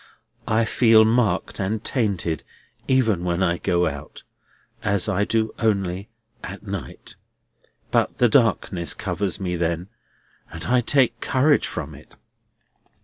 I feel marked and tainted, even when I go out—as I do only—at night. But the darkness covers me then, and I take courage from it."